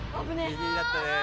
ギリギリだったね。